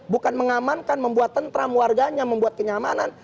bukan mengamankan membuat tentram warganya membuat kenyamanan